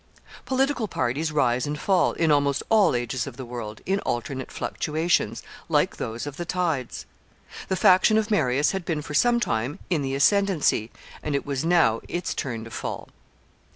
Political parties rise and fall, in almost all ages of the world, in alternate fluctuations, like those of the tides. The faction of Marius had been for some time in the ascendency, and it was now its turn to fall.